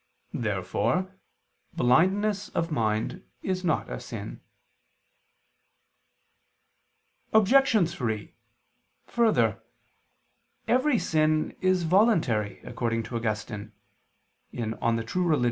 Therefore blindness of mind is not a sin. Obj. 3: Further, every sin is voluntary, according to Augustine (De Vera Relig.